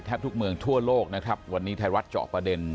ทุกเมืองทั่วโลกนะครับวันนี้ไทยรัฐเจาะประเด็น